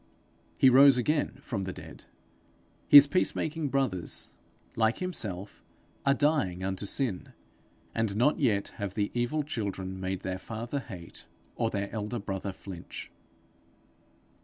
He rose again from the dead; his peace making brothers, like himself, are dying unto sin; and not yet have the evil children made their father hate, or their elder brother flinch.